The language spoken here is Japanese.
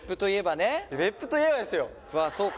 うわそうか